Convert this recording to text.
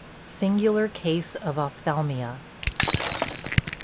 SINGULAR CASE OF OPHTHALMIA.